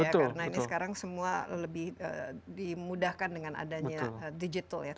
karena ini sekarang semua lebih dimudahkan dengan adanya digital ya